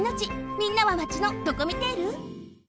みんなはマチのドコミテール？